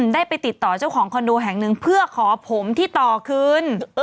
ได้ไปติดต่อเจ้าของคอนโดแห่งหนึ่งเพื่อขอผมที่ต่อคืน